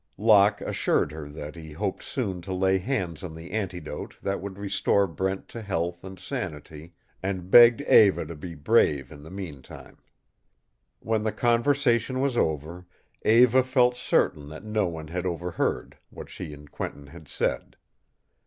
Locke assured her that he hoped soon to lay hands on the antidote that would restore Brent to health and sanity, and begged Eva to be brave in the mean time. When the conversation was over Eva felt certain that no one had overheard what she and Quentin had said.